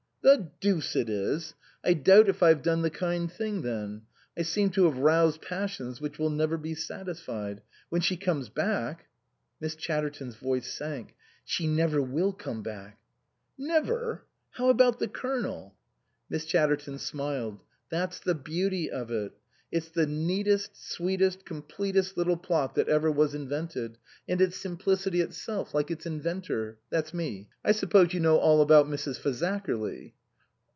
" The deuce it is ! I doubt if I've done the kind thing then. I seem to have roused passions which will never be satisfied. When she comes back " Miss Chatterton's voice sank. " She never will come back." " Never ? How about the Colonel ?" Miss Chatterton smiled. " That's the beauty of it. It's the neatest, sweetest, completest little plot that ever was invented, and it's simplicity 112 INLAND itself, like its inventor that's me. I suppose you know all about Mrs. Fazakerly?"